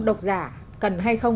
độc giả cần hay không